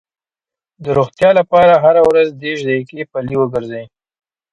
د روغتیا لپاره هره ورځ دېرش دقیقې پلي وګرځئ.